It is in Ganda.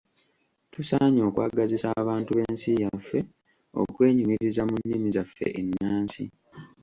Tusaanye okwagazisa abantu b'ensi yaffe okwenyumiriza mu nnimi zaffe ennansi.